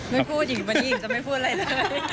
ไม่พูดอีกมันอีกจะไม่พูดอะไรเลย